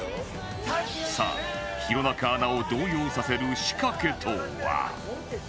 さあ弘中アナを動揺させる仕掛けとは？